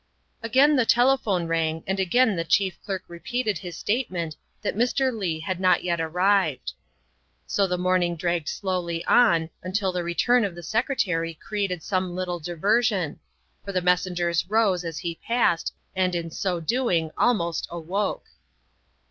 Again the telephone rang and again the Chief Clerk repeated his statement that Mr. Leigh had not yet arrived. So the morning dragged slowly on until the return of the Secretary created some little diversion, for the messengers rose as he passed and in so doing almost awoke.